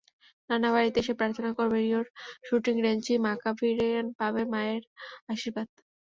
নানা বাড়িতে বসে প্রার্থনা করবেন, রিওর শুটিং রেঞ্জেই মাকাভারিয়ান পাবেন মায়ের আশীর্বাদ।